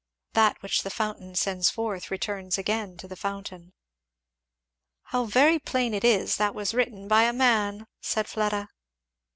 That which the fountain sends forth returns again to the fountain.'" "How very plain it is that was written by a man!" said Fleda.